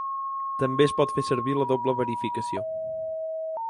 També es pot fer servir la doble verificació.